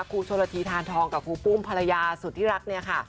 ครูชวนธีธานทองกับครูปุ้มภรรยาสุธิรักเนี่ยค่ะ